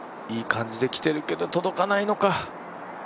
いい感じで来てるけど、届かないのか。